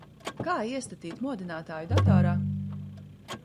Kā iestatīt modinātāju datorā?